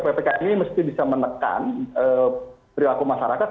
ppkm ini mesti bisa menekan perilaku masyarakat